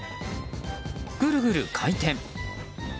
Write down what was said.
ぐるぐる回転。